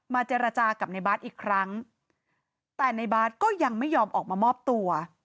เจรจากับในบาร์ดอีกครั้งแต่ในบาร์ดก็ยังไม่ยอมออกมามอบตัว